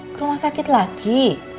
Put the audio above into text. ke rumah sakit lagi